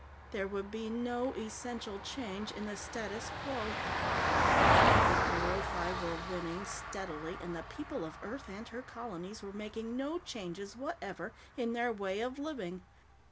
There would be no essential change in the status quo. The Kerothi were winning steadily, and the people of Earth and her colonies were making no changes whatever in their way of living.